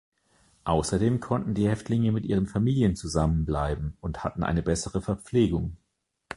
Außerdem konnten die Häftlinge mit ihren Familien zusammen bleiben und hatten eine bessere Verpflegung.